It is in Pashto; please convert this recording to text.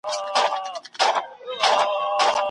موږ له کړکۍ څخه ډبره چاڼ کوو.